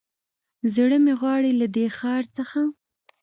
زړه مې غواړي له دې ښار څخه